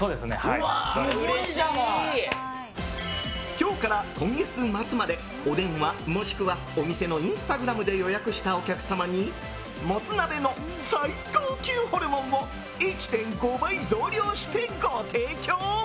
今日から今月末までお電話もしくはお店のインスタグラムで予約したお客様にもつ鍋の最高級ホルモンを１．５倍増量して、ご提供！